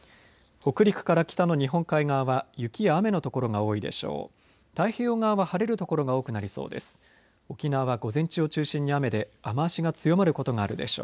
北陸から北の日本海側は雪や雨の所が多いでしょう。